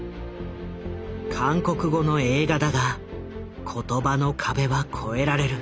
韓国語の映画だが言葉の壁は越えられる。